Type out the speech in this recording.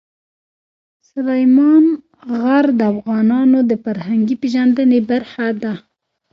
سلیمان غر د افغانانو د فرهنګي پیژندنې برخه ده.